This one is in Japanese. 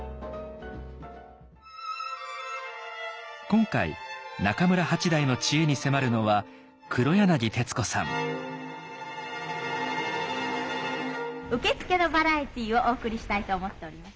今回中村八大の知恵に迫るのは受付のバラエティーをお送りしたいと思っております。